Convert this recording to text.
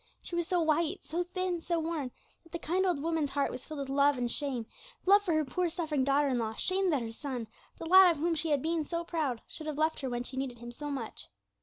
She was so white, so thin, so worn, that the kind old woman's heart was filled with love and with shame love for her poor suffering daughter in law, shame that her son, the lad of whom she had been so proud, should have left her when she needed him so much.